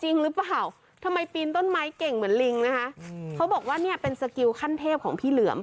จริงหรือเปล่าทำไมปีนต้นไม้เก่งเหมือนลิงนะคะเขาบอกว่าเนี่ยเป็นสกิลขั้นเทพของพี่เหลือม